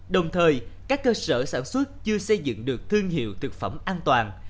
đồng thời các cơ sở sản xuất chưa xây dựng được thương hiệu thực phẩm an toàn